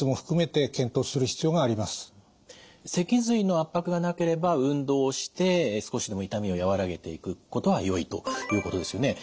脊髄の圧迫がなければ運動をして少しでも痛みを和らげていくことはよいということですよね。